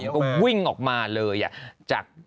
ก็วิ่งออกมาเลย